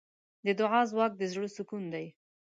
د دعا ځواک د زړۀ سکون دی.